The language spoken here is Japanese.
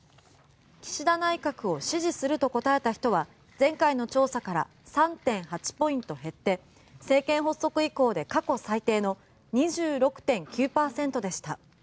岸田内閣を支持すると答えた人は前回の調査から３．８ポイント減って政権発足以降で過去最低の２６．９％でした。